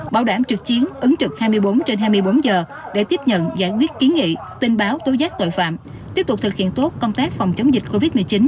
bảo đảm trực chiến ứng trực hai mươi bốn trên hai mươi bốn giờ để tiếp nhận giải quyết kiến nghị tin báo tố giác tội phạm tiếp tục thực hiện tốt công tác phòng chống dịch covid một mươi chín